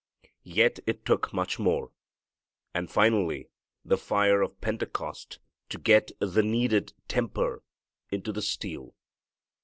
Yet it took much more, and finally the fire of Pentecost, to get the needed temper into the steel.